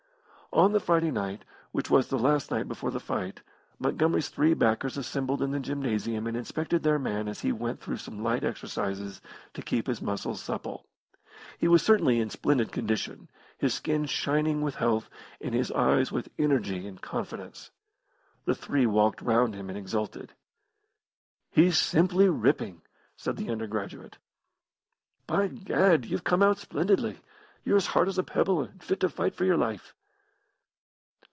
On the Friday night, which was the last night before the fight, Montgomery's three backers assembled in the gymnasium and inspected their man as he went through some light exercises to keep his muscles supple. He was certainly in splendid condition, his skin shining with health, and his eyes with energy and confidence. The three walked round him and exulted. "He's simply ripping!" said the undergraduate. "By gad, you've come out of it splendidly. You're as hard as a pebble, and fit to fight for your life."